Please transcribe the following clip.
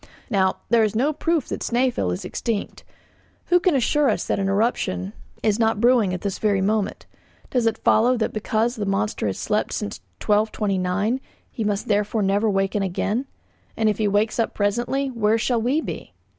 Now, there is no proof that Snæfell is extinct. Who can assure us that an eruption is not brewing at this very moment? Does it follow that because the monster has slept since 1229 he must therefore never awake again? And if he wakes up presently, where shall we be?